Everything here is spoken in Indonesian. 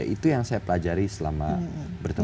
itu yang saya pelajari selama bertemu dengan bapak